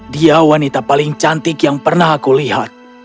dia wanita paling cantik yang pernah aku lihat